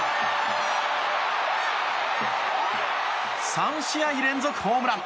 ３試合連続ホームラン！